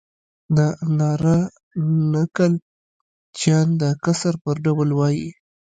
دا ناره نکل چیان د کسر پر ډول وایي.